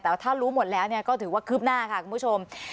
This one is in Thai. แต่ว่าถ้ารู้หมดแล้วก็ถือว่าคืบหน้าค่ะคุณผู้ชม